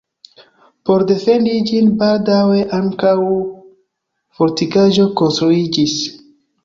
Por defendi ĝin, baldaŭe ankaŭ fortikaĵo konstruiĝis.